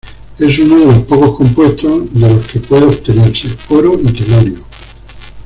Es uno de los pocos compuestos de los que puede obtenerse oro y telurio.